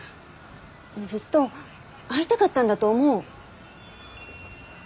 ずっと会いたかったんだと思う。